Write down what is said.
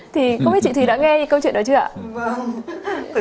thì có biết chị thùy đã nghe câu chuyện đó chưa ạ